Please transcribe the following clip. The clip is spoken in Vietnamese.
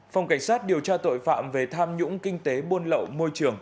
phòng cảnh sát điều tra tội phạm về tham nhũng kinh tế buôn lậu môi trường